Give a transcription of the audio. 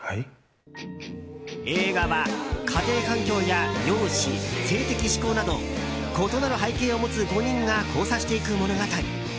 映画は家庭環境や容姿、性的指向など異なる背景を持つ５人が交差していく物語。